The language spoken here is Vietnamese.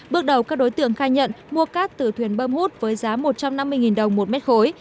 bước đầu các đối tượng khai nhận mua cát từ thuyền bơm hút với giá một trăm năm mươi đồng một mét khối